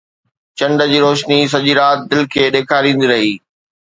چنڊ جي روشني سڄي رات دل کي ڏيکاريندي رهي